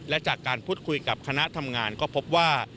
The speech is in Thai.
และจากการพูดคุยกับคณะทำงานก็พบว่า